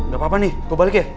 gak apa apa nih gue balik ya